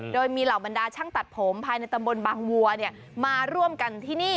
โดยมีเหล่าบรรดาช่างตัดผมภายในตำบลบางวัวมาร่วมกันที่นี่